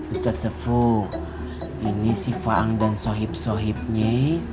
ustadz sefu ini si faang dan sohib sohibnya